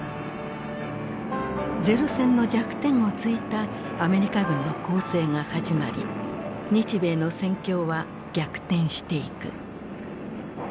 零戦の弱点をついたアメリカ軍の攻勢が始まり日米の戦況は逆転していく。